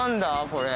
これ。